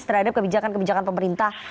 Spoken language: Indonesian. terhadap kebijakan kebijakan pemerintah